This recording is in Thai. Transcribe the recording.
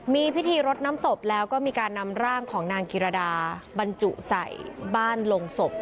มีพิธีรดน้ำศพแล้วก็มีการนำร่างของนางกิรดาบรรจุใส่บ้านลงศพ